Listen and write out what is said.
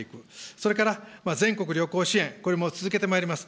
それから全国旅行支援、これも続けてまいります。